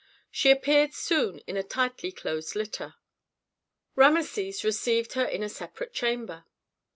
She appeared soon in a tightly closed litter. Rameses received her in a separate chamber.